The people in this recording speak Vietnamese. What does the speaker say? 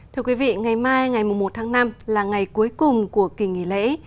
thưa quý vị ngày mai ngày một mươi một tháng năm là ngày cuối cùng của kỳ nghỉ lễ